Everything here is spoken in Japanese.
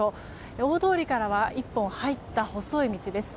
大通りから１本入った細い道です。